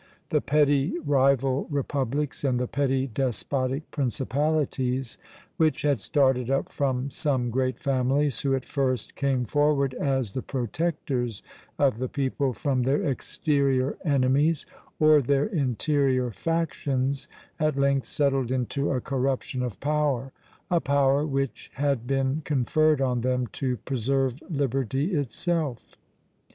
The petty rival republics, and the petty despotic principalities, which had started up from some great families, who at first came forward as the protectors of the people from their exterior enemies or their interior factions, at length settled into a corruption of power; a power which had been conferred on them to preserve liberty itself!